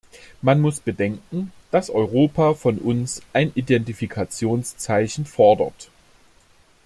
Man muss bedenken, dass Europa von uns ein Identifikationszeichen fordert.